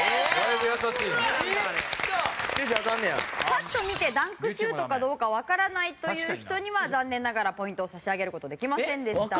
パッと見てダンクシュートかどうかわからないという人には残念ながらポイントを差し上げる事はできませんでした。